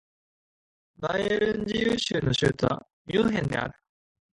バイエルン自由州の州都はミュンヘンである